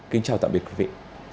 kính chào tạm biệt quý vị